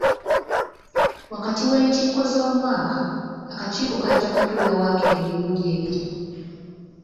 Wakati w'enkiiko z'omwaka, akakiiko kajja kutuula waakiri emirundi ebiri.